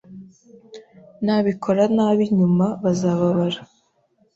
nabikora nabi nyuma bazababara